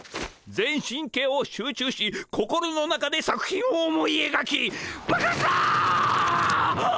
全神経を集中し心の中で作品を思いえがき爆発だ！